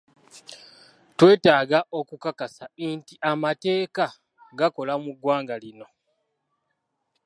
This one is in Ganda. Twetaaga okukakasa nti amateeka gakola mu ggwanga lino.